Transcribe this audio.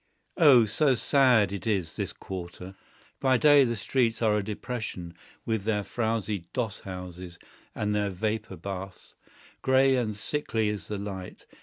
Oh, so sad it is, this quarter! By day the streets are a depression, with their frowzy doss houses and their vapor baths. Gray and sickly is the light.